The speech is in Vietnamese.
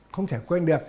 không thể quên được